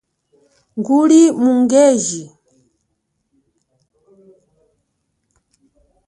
Nguli mu ungeji.